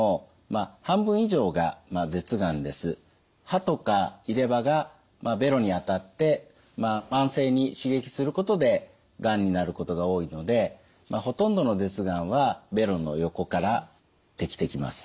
歯とか入れ歯がべろに当たって慢性に刺激することでがんになることが多いのでほとんどの舌がんはべろの横からできてきます。